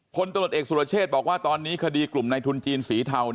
พลตำรวจเอกสุรเชษบอกว่าตอนนี้คดีกลุ่มในทุนจีนสีเทา